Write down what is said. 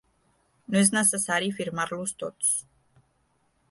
No és necessari firmar-los tots.